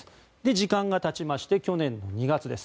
時間がたちまして去年２月です。